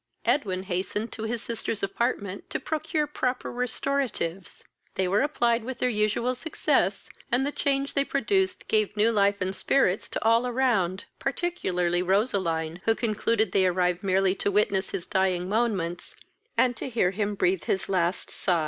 Edwin hastened to his sister's apartment to procure proper restoratives; they were applied with their usual success, and the change they produced gave new life and spirits to all around, particularly Roseline, who concluded they arrived merely to witness his dying moments, and hear him breathe his last sigh.